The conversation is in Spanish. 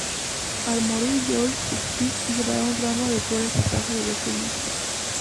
Al morir Joyce, Spike llevará un ramo de flores a casa de las Summers.